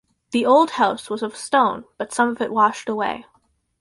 The old house was of stone, but some of it washed away.